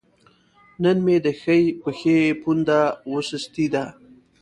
نن مې د ښۍ پښې پونده وسستې ده